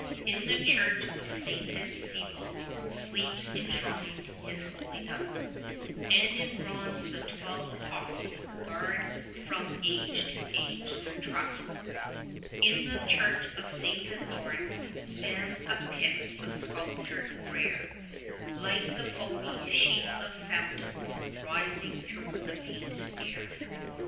In the church of sainted Sebald sleeps enshrined his holy dust, And in bronze the Twelve Apostles guard from age to age their trust; In the church of sainted Lawrence stands a pix of sculpture rare, Like the foamy sheaf of fountains, rising through the painted air.